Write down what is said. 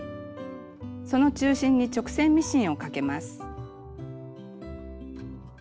その中心に直線ミシンをかけます。